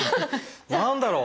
何だろう？